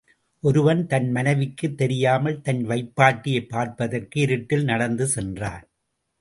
ஒருவன் தன் மனைவிக்குத் தெரியாமல் தன் வைப்பாட்டியைப் பார்ப்பதற்காக இருட்டில் நடந்து சென்றான்.